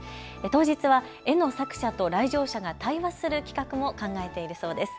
当日は絵の作者と来場者が対話する企画も考えているそうです。